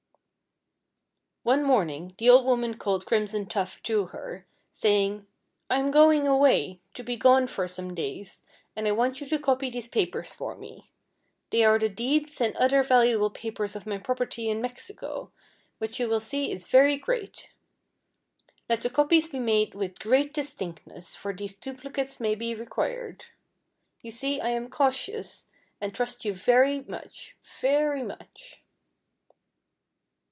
One morning the old woman called Crimson Tuft to her, saying: "I am going away, to be gone for some days, and I want you to copy these papers for me. They are the deeds and other valuable papers of my property in Mexico, which you will see is very great. Let the copies be made with great distinctness, for these duplicates may be required. You see I am cautious, and trust you very much, very much."